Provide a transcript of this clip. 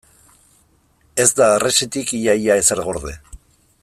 Ez da harresitik ia-ia ezer gorde.